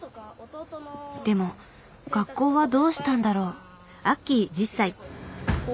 でも学校はどうしたんだろう？